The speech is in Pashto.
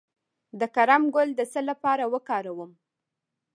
د کرم ګل د څه لپاره وکاروم؟